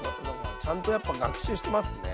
ちゃんとやっぱ学習してますね。